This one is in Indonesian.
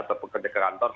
atau pekerja kantor